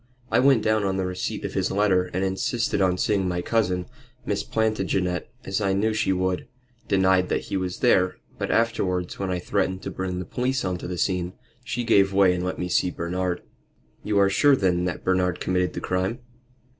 I went down on the receipt of his letter, and insisted on seeing my cousin. Miss Plantagenet as I knew she would, denied that he was there; but afterwards, when I threatened to bring the police on to the scene, she gave way and let me see Bernard." "You are sure, then, that Bernard committed the crime?"